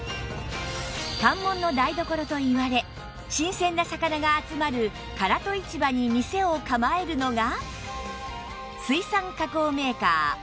関門の台所といわれ新鮮な魚が集まる唐戸市場に店を構えるのが